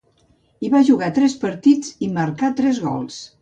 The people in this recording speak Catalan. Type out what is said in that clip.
Hi va jugar tres partits, i marcà tres gols.